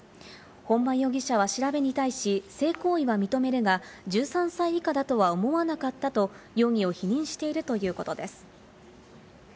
本間容疑者は調べに対し、性行為は認めるが、１３歳以下だとは思わなかったと容疑を否認しているということです。